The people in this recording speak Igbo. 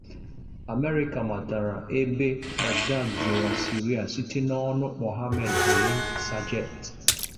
Amerịka matara ebe Baghdadi zoro na Sirịa site n'ọnụ Mohammed Ali Sajet